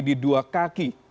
di dua kaki